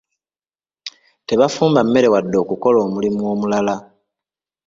Tebafumba mmere wadde okukola omulimu omulala.